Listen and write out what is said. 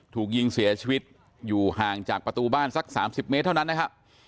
ถูกยิงเสียชีวิตอยู่ห่างจากประตูบ้านสัก๓๐เมตรเท่านั้นนะครับ